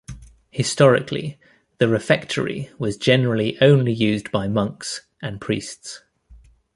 Historically, the refectory was generally only used by monks and priests.